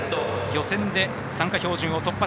予選で参加標準を突破